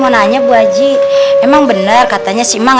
tengah nanya boji memang bener katanya simang